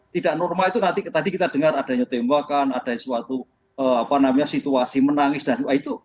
tidak normal itu nanti tadi kita dengar adanya tembakan ada suatu situasi menangis dan sebagainya